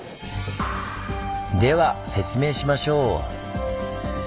では説明しましょう！